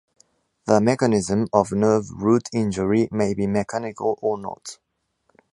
The mechanism of nerve root injury may be mechanical or not.